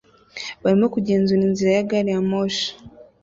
barimo kugenzura inzira ya gari ya moshi